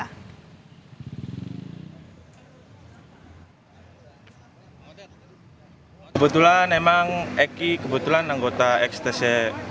ketika diperkirakan kebetulan memang eki kebetulan anggota xtc cerbon kebetulannya beliau almarhum tim empat sumber